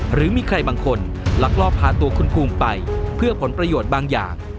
หรือมีใครบางคนลักลอบพาตัวคุณภูมิไปเพื่อผลประโยชน์บางอย่าง